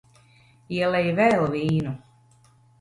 Ielej vēl vīnu.